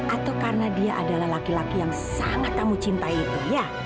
atau karena dia adalah laki laki yang sangat kamu cintai itu ya